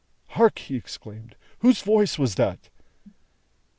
"Hark!" he exclaimed. "Whose voice was that?"